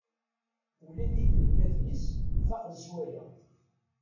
Ula d inelmaden-is faqen s waya.